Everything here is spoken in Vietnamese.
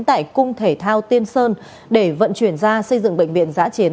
tại cung thể thao tiên sơn để vận chuyển ra xây dựng bệnh viện giã chiến